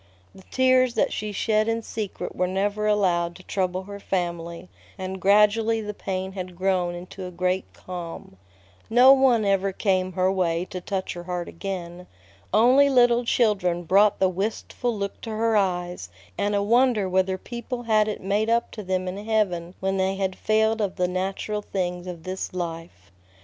The tears that she shed in secret were never allowed to trouble her family, and gradually the pain had grown into a great calm. No one ever came her way to touch her heart again. Only little children brought the wistful look to her eyes, and a wonder whether people had it made up to them in heaven when they had failed of the natural things of this life.